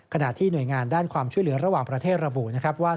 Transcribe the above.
คะนาที่นวยงานด้านความช่วยเหลือระหว่างประเทศระบูว่า